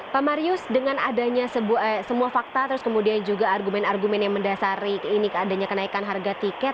pak marius dengan adanya semua fakta terus kemudian juga argumen argumen yang mendasari ini adanya kenaikan harga tiket